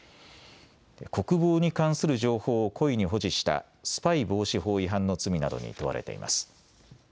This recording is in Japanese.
国防に関する情報を故意に保持したスパイ防止法違反の罪などに問われています。